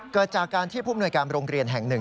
เกิดจากการที่ผู้มนวยการโรงเรียนแห่งหนึ่ง